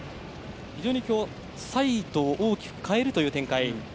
非常に今日サイドを大きく変えるという展開。